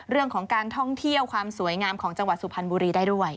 เรื่องของการท่องเที่ยวความสวยงามของจังหวัดสุพรรณบุรีได้ด้วย